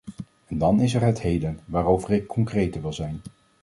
En dan is er het heden, waarover ik concreter wil zijn.